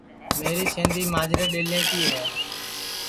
میری سیندی ماجرے ڈؔیلیں کی ہے